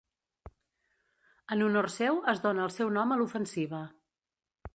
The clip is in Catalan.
En honor seu es dóna el seu nom a l’ofensiva.